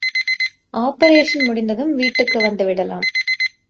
Operation முடிந்ததும் வீட்டுக்கு வந்துவிடலாம்.